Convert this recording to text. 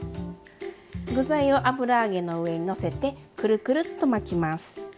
具材を油揚げの上にのせてクルクルッと巻きます。